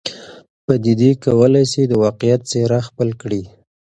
پدیدې کولای سي د واقعیت څېره خپل کړي.